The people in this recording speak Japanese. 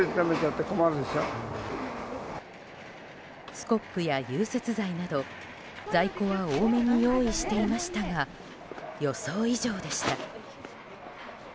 スコップや融雪剤など在庫は多めに用意していましたが予想以上でした。